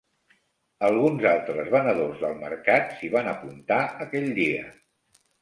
Alguns altres venedors del Mercat s'hi van apuntar aquell dia.